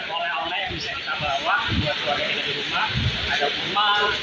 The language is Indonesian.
jadi kalau mau cari senang mau cari coklat bisa langsung datang ke sini